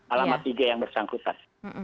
alamat ig yang bersangkutan